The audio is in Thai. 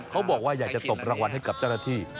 เขาก็บอกว่าอยากจะตกรางวัลให้เจ้าหน้าธิ